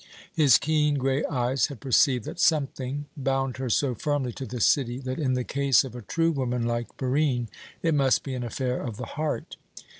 His keen grey eyes had perceived that something, bound her so firmly to the city that in the case of a true woman like Barine it must be an affair of the heart.